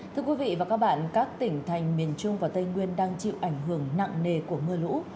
thưa quý vị và các bạn các tỉnh thành miền trung và tây nguyên đang chịu ảnh hưởng nặng nề của mưa lũ